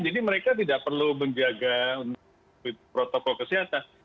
jadi mereka tidak perlu menjaga protokol kesehatan